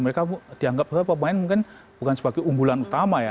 mereka dianggap sebagai pemain mungkin bukan sebagai unggulan utama ya